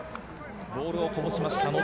ボールをこぼしました。